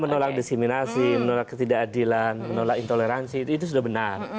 menolak diskriminasi menolak ketidakadilan menolak intoleransi itu sudah benar